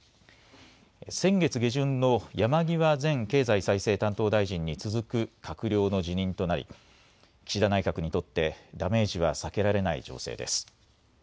先月下旬の山際前経済再生担当大臣に続く閣僚の辞任となり、岸田内閣にとって、ダメージは避けられない情勢です。